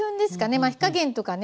まあ火加減とかね